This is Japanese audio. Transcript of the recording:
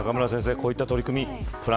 こういった取り組み。